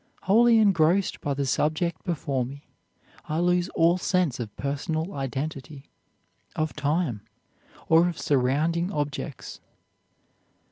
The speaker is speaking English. Wholly engrossed by the subject before me, I lose all sense of personal identity, of time, or of surrounding objects."